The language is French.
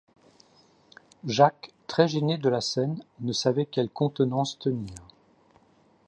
Jacques, très gêné de la scène, ne savait quelle contenance tenir.